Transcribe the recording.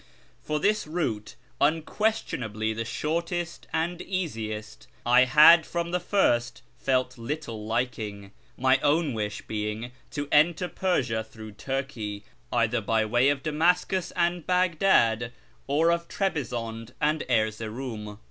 For this route, unquestionably the shortest and easiest, I had from the first felt little liking, my own wish being to enter Persia through Turkey, either by way of Damascus and Baghdad, or of Trebizonde and Erzeroum.